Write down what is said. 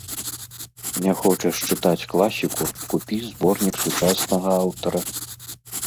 Не хочаш чытаць класіку, купі зборнік сучаснага аўтара.